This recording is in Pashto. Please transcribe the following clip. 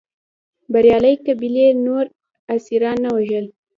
بریالۍ قبیلې نور اسیران نه وژل.